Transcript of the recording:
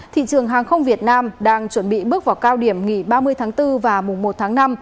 thị trường hàng không việt nam đang chuẩn bị bước vào cao điểm nghỉ ba mươi tháng bốn và mùa một tháng năm